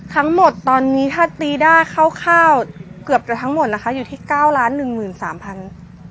ทั้งหมดตอนนี้ถ้าตีได้คร่าวเกือบจะทั้งหมดนะคะอยู่ที่เก้าล้านหนึ่งหมื่นสามพัน